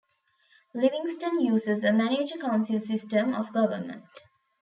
Livingston uses a manager-council system of government.